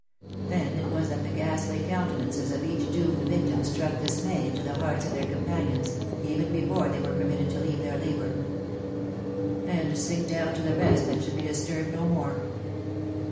Then it was that the ghastly countenances of each doomed victim struck dismay into the hearts of their companions even before they were permitted to leave their labour, and sink down to the rest that should be disturbed no more.